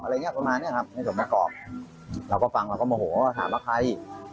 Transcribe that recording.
อะไรอย่างเงี้ประมาณเนี้ยครับในสมประกอบเราก็ฟังเราก็โมโหถามว่าใคร